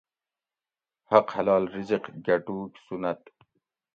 حق حلال رزق گھٹوگ سُنت